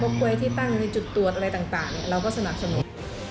กลวยที่ตั้งในจุดตรวจอะไรต่างเราก็สนับสนุน